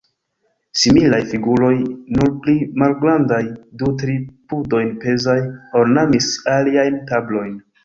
Similaj figuroj, nur pli malgrandaj, du-tri pudojn pezaj, ornamis aliajn tablojn.